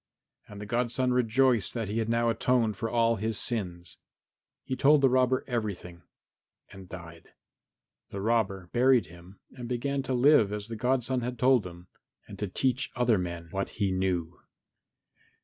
And the godson rejoiced that he had now atoned for all his sins. He told the robber everything and died. The robber buried him and began to live as the godson had told him, and to teach other men what he knew.